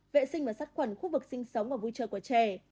vệ sinh và sát khuẩn khu vực sinh sống và vui chơi của trẻ